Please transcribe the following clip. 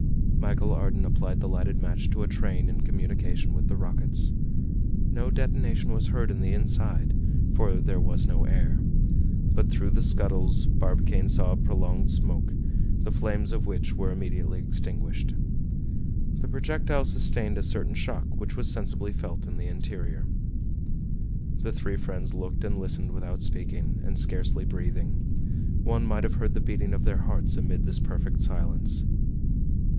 Michel Ardan applied the lighted match to a train in communication with the rockets. No detonation was heard in the inside, for there was no air. But, through the scuttles, Barbicane saw a prolonged smoke, the flames of which were immediately extinguished. The projectile sustained a certain shock, which was sensibly felt in the interior. The three friends looked and listened without speaking, and scarcely breathing. One might have heard the beating of their hearts amid this perfect silence.